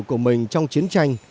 của mình trong chiến tranh